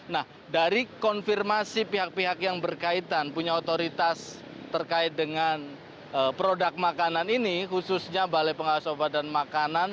nah dari konfirmasi pihak pihak yang berkaitan punya otoritas terkait dengan produk makanan ini khususnya balai pengawas obat dan makanan